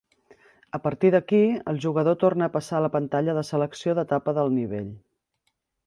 A partir d'aquí, el jugador torna a passar a la pantalla de selecció d'etapa del nivell.